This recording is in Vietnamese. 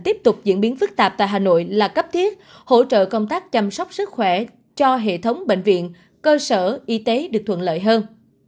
tiếp tục diễn biến phức tạp tại hà nội là cấp thiết hỗ trợ công tác chăm sóc sức khỏe cho hệ thống bệnh viện cơ sở y tế được thuận lợi hơn